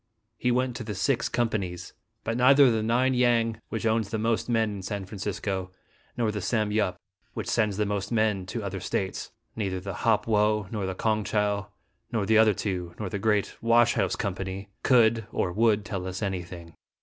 He went to the Six Companies; but neither the Ning Yang, which owns the most men in San Francisco, nor the Sam Yup, which sends the most men to other States ; neither the Hop Wo, nor the Kong Chow, nor the other two, nor the great washhouse company, could or would tell us anything.